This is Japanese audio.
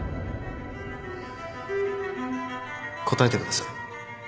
答えてください。